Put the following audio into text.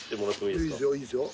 いいですよいいですよ。